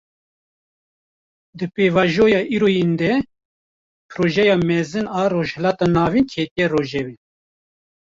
Di pêvajoya îroyîn de, Projeya Mezin a Rojhilata Navîn ketiye rojevê